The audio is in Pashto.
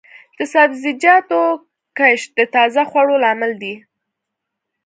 د سبزیجاتو کښت د تازه خوړو لامل دی.